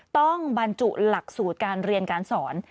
ต้องบรรจุหลักสูตรการเรียนการสอน